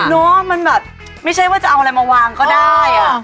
เนอะมันแบบไม่ใช่ว่าจะเอาอะไรมาวางก็ได้